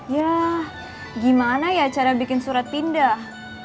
ya gimana ya cara bikin surat pindah